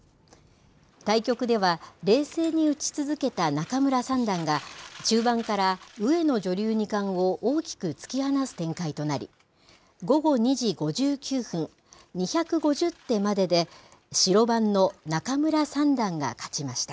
対局では、冷静に打ち続けた仲邑三段が、中盤から上野女流二冠を大きく突き放す展開となり、午後２時５９分、２５０手までで白番の仲邑三段が勝ちました。